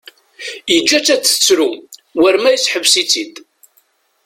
Yeǧǧa-tt ad tettru war ma yesseḥbes-itt-id.